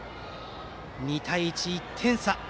２対１、１点差。